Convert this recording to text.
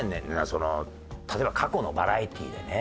その例えば過去のバラエティでね